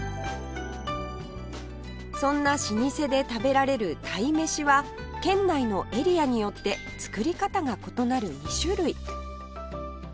そんな老舗で食べられる鯛めしは県内のエリアによって作り方が異なる２種類